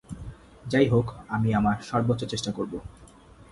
যাই হোক, আমি আমার সর্বোচ্চ চেষ্টা করবো।